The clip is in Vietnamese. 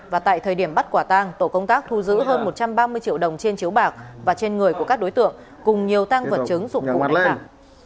và tại thời điểm bắt quả tang tổ công tác thu giữ hơn một trăm ba mươi triệu đồng trên chiếu bạc và trên người của các đối tượng cùng nhiều tăng vật chứng dụng cụ lừa đảo